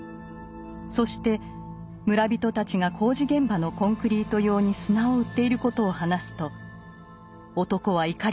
そして村人たちが工事現場のコンクリート用に砂を売っていることを話すと男は怒りだしました。